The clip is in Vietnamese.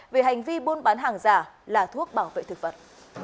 về hành vi buôn bán hàng giả là thuốc bảo vệ thực vật